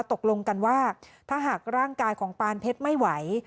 ตกลงกันว่าถ้าหากร่างกายของปานเพชรไม่ไหว